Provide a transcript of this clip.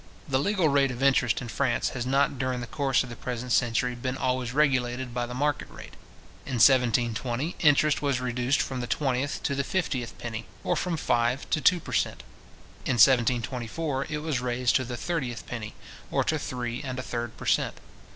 The legal rate of interest in France has not during the course of the present century, been always regulated by the market rate {See Denisart, Article Taux des Interests, tom. iii, p.13}. In 1720, interest was reduced from the twentieth to the fiftieth penny, or from five to two per cent. In 1724, it was raised to the thirtieth penny, or to three and a third per cent.